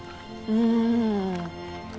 うん。